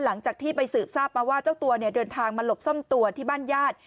หลังจากที่ไปสืบทราบมาว่าเจ้าตัวเนี่ยเดินทางมาหลบซ่อนตัวที่บ้านญาติ